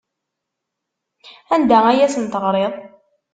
Anda ay asen-teɣriḍ?